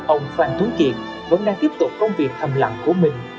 ông phạm thú kiệt vẫn đang tiếp tục công việc thầm lặng của mình